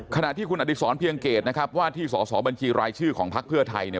ขณะที่คุณอดิษรเพียงเกตนะครับว่าที่สอสอบัญชีรายชื่อของพักเพื่อไทยเนี่ย